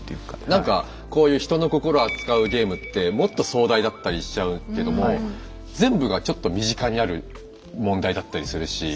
なんかこういう人の心を扱うゲームってもっと壮大だったりしちゃうけども全部がちょっと身近にある問題だったりするし。